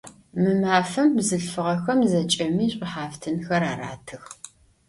Mı mafem bzılhfığexem zeç'emi ş'uhaftınxer aratıx.